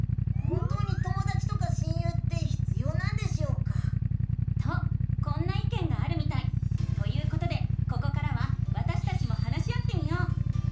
本当にともだちとか親友って必要なんでしょうか？とこんないけんがあるみたい！ということでここからはわたしたちも話し合ってみよう！